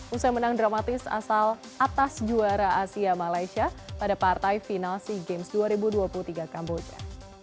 usai menang dramatis asal atas juara asia malaysia pada partai final sea games dua ribu dua puluh tiga kamboja